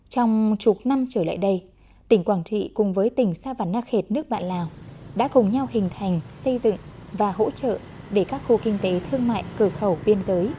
trong chục năm trở lại đây tỉnh quảng trị cùng với tỉnh sa văn na khệt nước bạn lào đã cùng nhau hình thành xây dựng và hỗ trợ để các khu kinh tế thương mại cửa khẩu biên giới